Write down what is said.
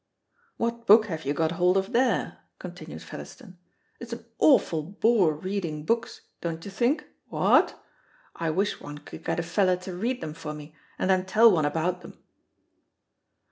"What book have you got hold of there?" continued Featherstone. "It's an awful bore reading books, dontcherthink, what? I wish one could get a feller to read them for me, and then tell one about them."